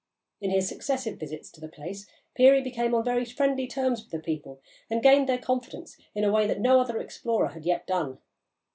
In his successive visits to the place Peary became on very friendly terms with the people, and gained their confidence in a way that no other explorer had yet done.